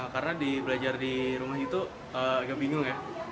karena di belajar di rumah itu agak bingung